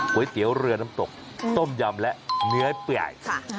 ก๋วยเตี๋ยวเรือน้ำตกต้มยำและเนื้อเปื่อย